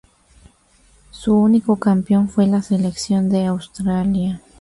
Su único campeón fue la selección de Australia.